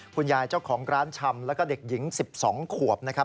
คุณยายเจ้าของร้านชำแล้วก็เด็กหญิง๑๒ขวบนะครับ